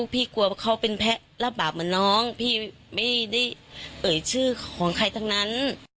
พี่กลัวเขาเป็นแผลบที่รับบาปเหมือนน้องพี่ไม่ได้เปิดชื่อของใครทั้งนั้น